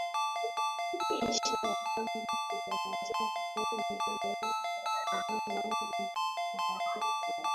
licha ya kwamba Kilimanjaro ndio mlima maarufu